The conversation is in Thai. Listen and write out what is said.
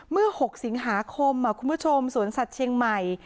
เมื่อ๖สิงหาคมคุณผู้ชมสวนสัตว์เชียงใหม่